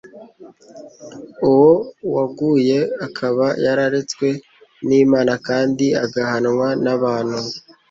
uwo waguye akaba yararetswe n'Imana kandi agahanwa n'abantu.